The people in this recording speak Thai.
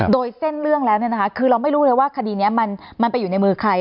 โดยเส้นเรื่องแล้วคือเราไม่รู้เลยว่าคดีนี้มันไปอยู่ในมือใคร